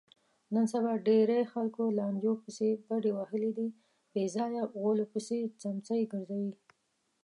نن سبا ډېری خلکو لانجو پسې بډې وهلي دي، بېځایه غولو پسې څمڅې ګرځوي.